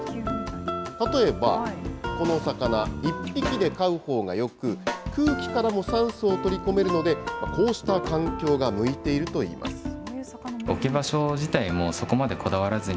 例えば、この魚、１匹で飼うほうがよく、空気からも酸素を取り込めるので、こうした環境が向いているといいます。